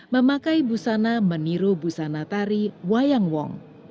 memakai busana meniru busana tari wayang wong